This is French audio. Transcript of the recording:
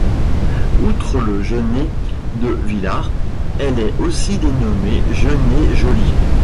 Outre le genêt de Villars, elle est aussi dénommée genêt joli.